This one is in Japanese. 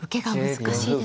難しいですね。